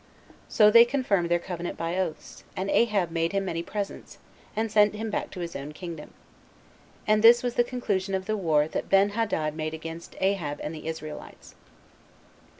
So they confirmed their covenant by oaths, and Ahab made him many presents, and sent him back to his own kingdom. And this was the conclusion of the war that Benhadad made against Ahab and the Israelites.